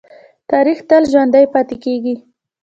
تاریخ تل ژوندی پاتې کېږي.